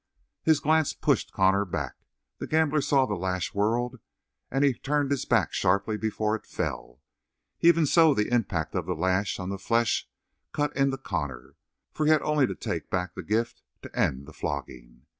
His glance pushed Connor back; the gambler saw the lash whirled, and he turned his back sharply before it fell. Even so, the impact of the lash on flesh cut into Connor, for he had only to take back the gift to end the flogging.